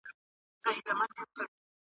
د هغو خلکو چي د قام لپاره جنګېږي